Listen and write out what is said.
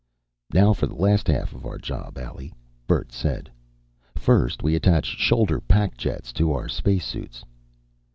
"Now for the last half of our job, Allie," Bert said. "First we attach shoulder pack jets to our spacesuits."